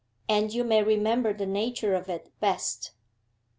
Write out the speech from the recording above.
'And you may remember the nature of it best.